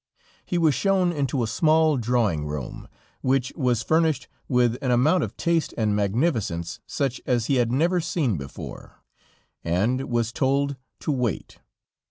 He was shown into a small drawing room, which was furnished with an amount of taste and magnificence such as he had never seen before, and was told to wait.